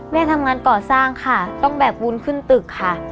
แม่ทำงานก่อสร้างค่ะต้องแบกบุญขึ้นตึกค่ะ